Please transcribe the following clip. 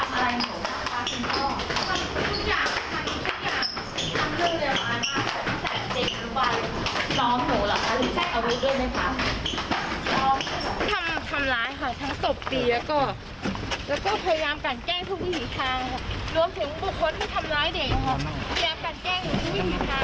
แก้งทุกวิถีทางรวมถึงบุคคลที่ทำร้ายเด็กเกี่ยวกับแก้งทุกวิถีทาง